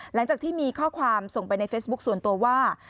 หลังจากที่มีข้อความส่งไปในเฟซบุ๊คส่วนตัวว่า